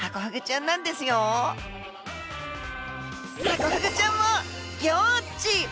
ハコフグちゃんもギョっち！